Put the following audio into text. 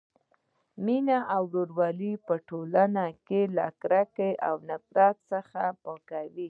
مینه او ورورولي ټولنه له کرکې او نفرت څخه پاکوي.